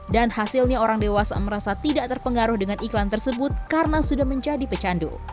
dan hasilnya orang dewasa merasa tidak terpengaruh dengan iklan tersebut karena sudah menjadi pecandu